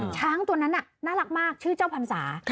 ช้างตัวนั้นน่ารักมากชื่อเจ้าพรรษา